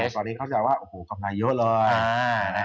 ตอนนี้เข้าใจว่าโอ้โหกำไรเยอะเลย